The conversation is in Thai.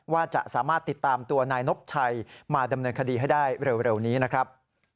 ว่าจะสามารถติดตามตัวนายนบชัยมาดำเนินคดีให้ได้เร็วนี้นะครับ